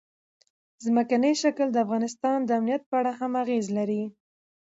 ځمکنی شکل د افغانستان د امنیت په اړه هم اغېز لري.